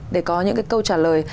để có những câu trả lời